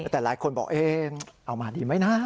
แต่หลายคนบอกเองเอามาดีไหมนะ